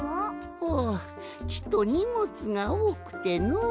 ほっちとにもつがおおくてのう。